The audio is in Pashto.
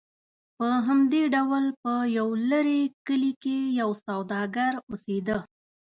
په همدې ډول په یو لرې کلي کې یو سوداګر اوسېده.